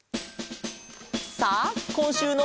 さあこんしゅうの。